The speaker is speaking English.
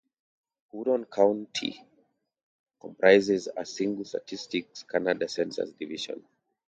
Huron County comprises a single Statistics Canada census division.